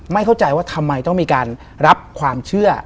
เข้าใจว่าทำไมต้องมีการรับความเชื่อ